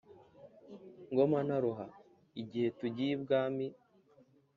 Ngoma naruha! Igihe tugiye ibwami,